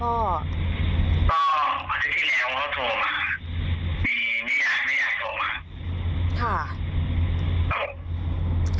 ก็อาทิตย์ที่แล้วพ่อโทรมามีมีอาหารมีอาหารโทรมา